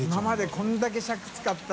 これだけ尺使った。